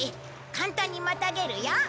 簡単にまたげるよ。